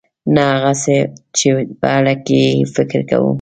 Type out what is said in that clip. نه هغه څه چې په اړه یې فکر کوو .